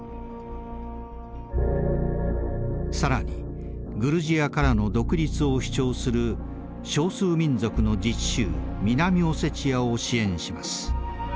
更にグルジアからの独立を主張する少数民族の自治州南オセチアを支援します。